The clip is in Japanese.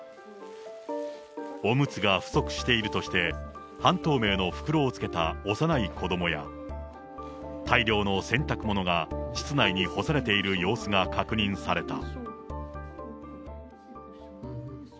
おむつが不足しているとして、半透明の袋をつけた幼い子どもや、大量の洗濯物が室内に干されている様子が確認された。